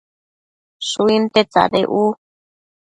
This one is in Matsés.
Shuinte tsadec u